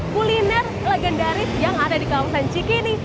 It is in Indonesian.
kuliner legendaris yang ada di kawasan cikini